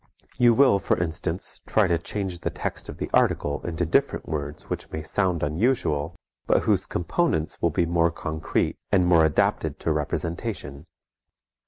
You will, for instance, try to change the text of the article into different words which may sound unusual, but whose components will be more concrete and more adapted to representation.